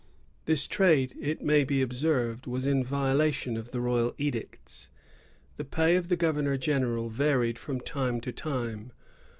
This trade, it may be observed, was in violation of the royal edicts. The pay of the governor general varied from time to time.